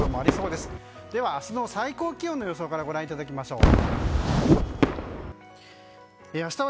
では、明日の最高気温の予想からご覧いただきましょう。